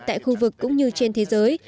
tại khu vực cũng như trên thế giới